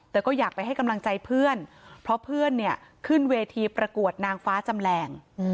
แต่ก็อยากไปให้กำลังใจเพื่อนเพราะเพื่อนเนี่ยขึ้นเวทีประกวดนางฟ้าจำแรง